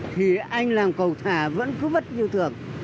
thì anh làm cầu thả vẫn cứ vất như thường